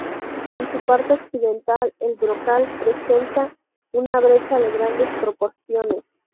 En su parte occidental el brocal presenta una brecha de grandes proporciones.